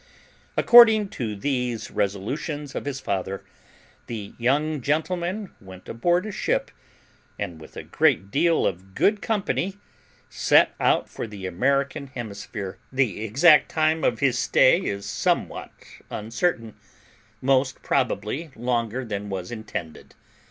According to these resolutions of his father, the young gentleman went aboard a ship, and with a great deal of good company set out for the American hemisphere. The exact time of his stay is somewhat uncertain; most probably longer than was intended.